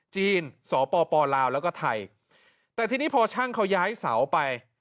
จีนสปลาวแล้วก็ไทยแต่ทีนี้พอช่างเขาย้ายเสาไป